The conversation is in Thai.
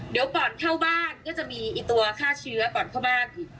เดี๋ยวก่อนเข้าบ้านก็จะมีตัวฆ่าเชื้อก่อนเข้าบ้านอีก